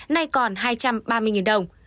nay còn hai trăm ba mươi đồng